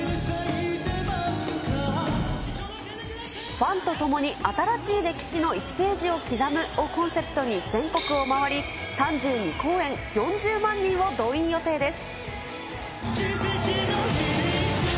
ファンと共に新しい歴史の１ページを刻むをコンセプトに全国を回り、３２公演、４０万人を動員予定です。